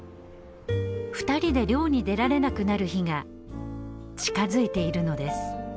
２人で漁に出られなくなる日が近づいているのです。